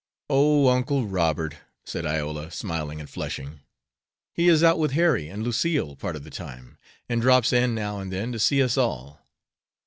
"Oh, Uncle Robert," said Iola, smiling and flushing, "he is out with Harry and Lucille part of the time, and drops in now and then to see us all."